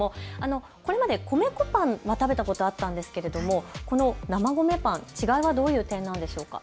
これまで米粉パンは食べたことがあったんですがこの生米パン、違いはどういう点なんでしょうか。